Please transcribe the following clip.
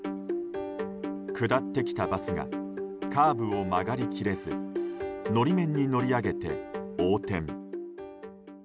下ってきたバスがカーブを曲がり切れず法面に乗り上げて横転。